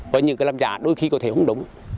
và những cái làm giả đôi khi có thể không đúng